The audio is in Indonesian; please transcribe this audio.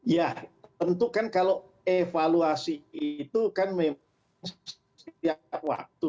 ya tentu kan kalau evaluasi itu kan memang setiap waktu